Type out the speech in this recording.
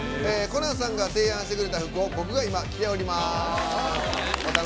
コナンさんが提案してくれた服を僕が今、着ております。